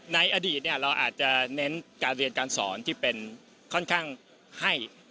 ในอดีตเราอาจจะเน้นการเรียนการสอนที่เป็นค่อนข้างให้